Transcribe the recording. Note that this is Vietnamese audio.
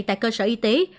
tại cơ sở y tế